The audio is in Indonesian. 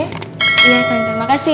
iya tante terima kasih ya